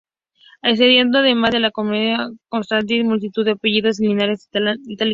Existiendo —además— en la genealogía costarricense multitud de apellidos y linajes italianos.